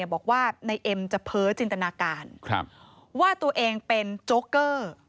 บอกว่านายเอ็มจะเพ้อจินตนาการว่าตัวเองเป็นโจ๊กเกอร์